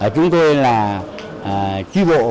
chúng tôi là tri bộ